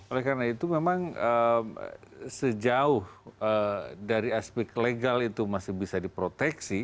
oleh karena itu memang sejauh dari aspek legal itu masih bisa diproteksi